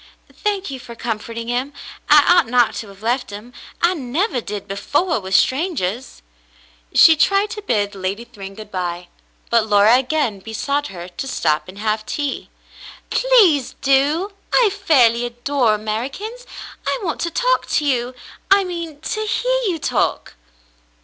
'* Thank you for comforting him. I ought not to have left him. I nevah did before, with strangahs." She tried to bid Lady Thryng good by, but Laura again besought her to stop and have tea. "Please do. I fairly adore Americans. I want to talk to you ; I mean, to hear you talk."